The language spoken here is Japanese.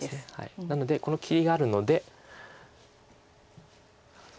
なのでこの切りがあるので。